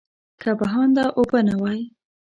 که بهانده اوبه نه وای.